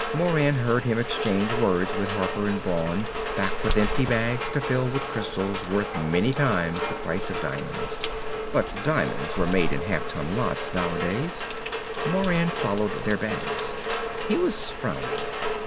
Moran heard him exchange words with Harper and Brawn, back with empty bags to fill with crystals worth many times the price of diamonds. But diamonds were made in half ton lots, nowadays. Moran followed their bags. He was frowning.